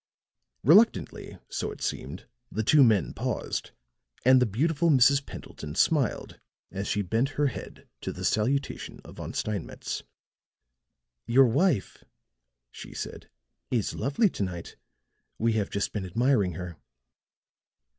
Reluctantly, so it seemed, the two men paused; and the beautiful Mrs. Pendleton smiled as she bent her head to the salutation of Von Steinmetz. "Your wife," she said, "is lovely to night. We have just been admiring her."